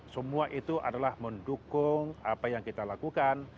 semua itu adalah mendukung apa yang kita lakukan